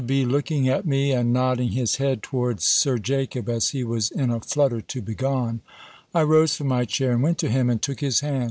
B. looking at me, and nodding his head towards Sir Jacob, as he was in a flutter to begone, I rose from my chair, and went to him, and took his hand.